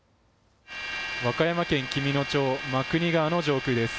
和歌山県紀美野町真国川の上空です。